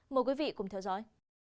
mời quý vị cùng theo dõi